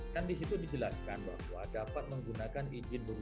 kan di situ dijelaskan bahwa dapat menggunakan izin berusaha